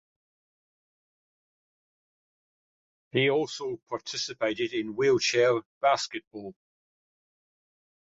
He also participated in wheelchair basketball.